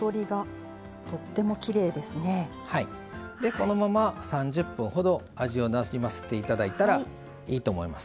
このまま３０分ほど味をなじませていただいたらいいと思います。